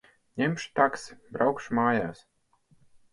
Ņemšu taksi. Braukšu mājās.